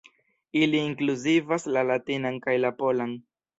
Ili inkluzivas la latinan kaj la polan.